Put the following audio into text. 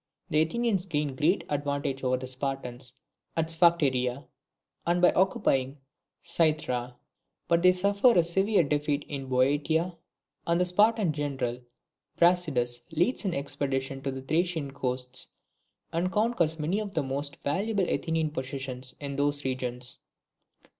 The Athenians gain great advantages over the Spartans at Sphacteria, and by occupying Cythera; but they suffer a severe defeat in Boeotia, and the Spartan general Brasidas, leads an expedition to the Thracian coasts, and conquers many of the most valuable Athenian possessions in those regions.